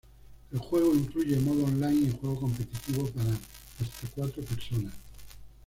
El juego incluye modo online y juego competitivo para hasta cuatro personas.